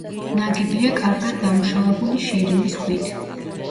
ნაგებია კარგად დამუშავებული შირიმის ქვით.